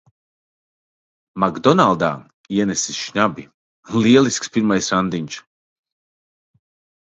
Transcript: "Makdonaldā" ienesis šnabi! Lielisks pirmais randiņš.